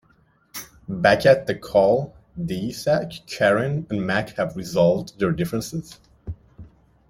Back at the cul-de-sac, Karen and Mack have resolved their differences.